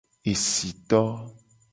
Esito.